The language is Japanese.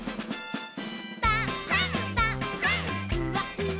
「パンパンふわふわ」